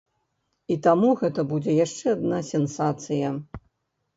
І таму гэта будзе яшчэ адна сенсацыя.